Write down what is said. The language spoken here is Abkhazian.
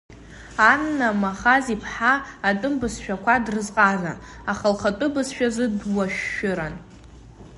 Анна Махаз-иԥҳа атәым бызшәақәа дрызҟазан, аха лхатәы бызшәазы дуашәшәыран.